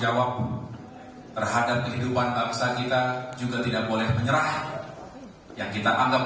jawab terhadap kehidupan bangsa kita juga tidak boleh menyerah yang kita anggap